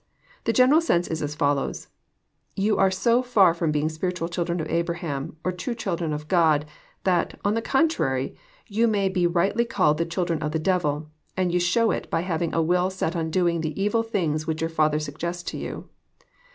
The general sense is as follows :" Ye are so far from being spiritual chil dren of Abraham, or true children of God, that, on the contrary, ye may be rightly called the children of the devil ; and ye show it, by having a will set on doing the evil things which your father suggests to you.